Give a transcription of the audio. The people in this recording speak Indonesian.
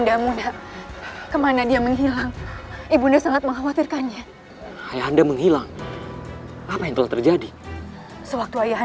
sampai jumpa di video selanjutnya